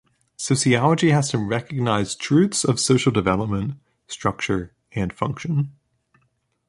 Sociology has to recognize truths of social development, structure and function.